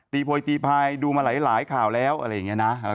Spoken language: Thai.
โพยตีพายดูมาหลายข่าวแล้วอะไรอย่างนี้นะ